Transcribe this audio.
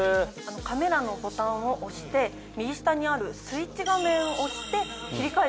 カメラのボタンを押して右下にあるスイッチ画面押して切り替えてみてください。